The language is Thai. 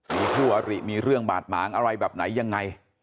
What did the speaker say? มีคู่อริมีเรื่องบาดหมางอะไรแบบไหนยังไง